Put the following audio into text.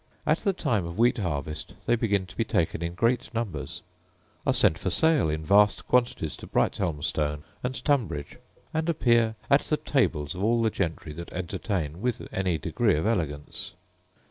At the time of wheat harvest they begin to be taken in great numbers; are sent for sale in vast quantities to Brighthelmstone and Tunbridge; and appear at the tables of all the gentry that entertain with any degree of elegance.